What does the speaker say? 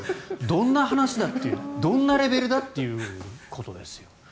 どんな話だというどんなレベルだっていうことです。